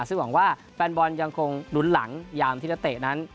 ซึ่งหวังว่าแฟนบอลยังคงลุ้นหลังยามที่นักเตะนั้น